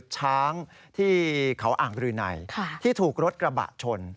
ช้างที่เขาอ่างรืนัยที่ถูกรถกระบะชน